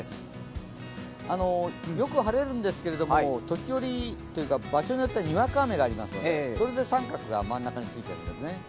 よく晴れるんですけど、時折というか場所によってはにわか雨がありますので、それで△が真ん中についているんですね。